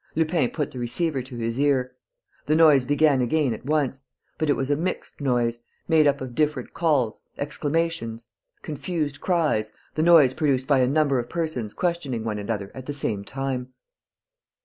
Lupin put the receiver to his ear. The noise began again at once, but it was a mixed noise, made up of different calls, exclamations, confused cries, the noise produced by a number of persons questioning one another at the same time.